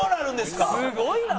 すごいな。